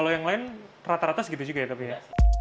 yang lain rata rata segitu juga ya